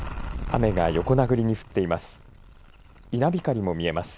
雨が横殴りに降っています。